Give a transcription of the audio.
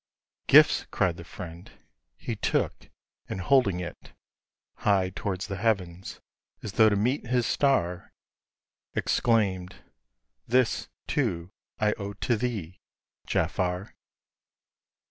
"Gifts!" cried the friend; he took, and holding it High toward the heavens, as though to meet his star, Exclaimed, "This, too, I owe to thee, Jaffar!"